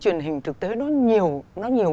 truyền hình thực tế nó nhiều nó nhiều